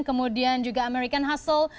kemudian juga american hustle